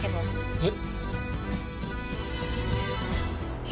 えっ？